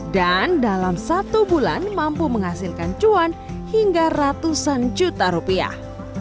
dan dalam satu bulan mampu menghasilkan cuan hingga ratusan juta rupiah